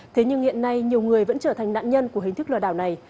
thế nhưng hiện nay nhiều người vẫn trở thành nạn nhân của hình thức lừa đảo này